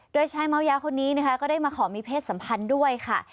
โดยชายเมายาคนนี้นะคะก็ได้มาขอมีเพศสัมพันธ์ด้วยค่ะ